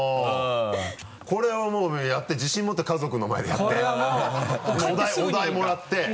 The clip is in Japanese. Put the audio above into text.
これはもうやって自信持って家族の前でやって。